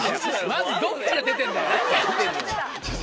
まずどっから出てんだよ。